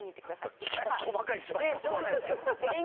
細かい芝居。